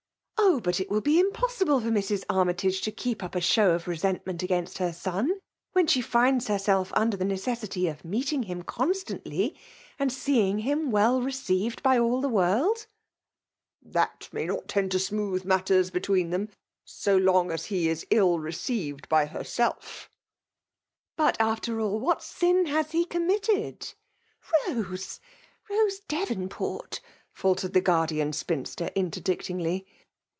" Oh ! but it will be impossible for Mrs. Armytage to keep up a show of resentment against her son, when she finds herself und<^t the necessity of meeting him constantly, and seeing him well received by all the world !" 9 F*MALK DOMIKATIOK. HSl '^ Thit may Bfot tend to smooth matters be twccn them, so long as he is ill received by h^reeif." '"^ But, after all, what sin has he committed ?"*' Rose — Rose Dcvonport !*' faltered the guardian spinster, interdictingly.